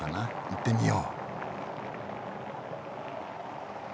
行ってみよう。